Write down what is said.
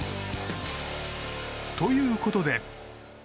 ということで。